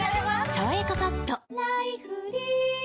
「さわやかパッド」